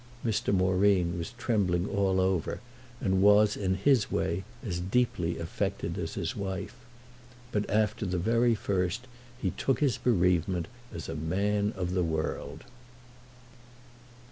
Mr. Moreen was trembling all over and was in his way as deeply affected as his wife. But after the very first he took his bereavement as a man of the world.